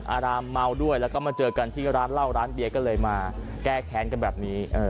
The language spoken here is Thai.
อารามเมาด้วยแล้วก็มาเจอกันที่ร้านเหล้าร้านเบียร์ก็เลยมาแก้แค้นกันแบบนี้